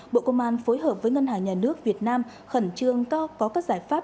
bộ công an phối hợp với ngân hàng nhà nước việt nam khẩn trương có các giải pháp